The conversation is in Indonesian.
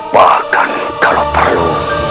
bahkan kalau perlu